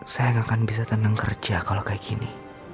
saya gak akan bisa tenang kerja kalau kayak gini